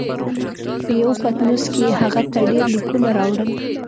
په یوه پتنوس کې یې هغه ته ډېر لیکونه راوړل.